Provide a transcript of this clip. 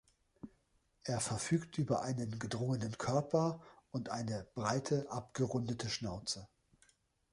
Er verfügt über einen gedrungenen Körper und eine breite, abgerundete Schnauze.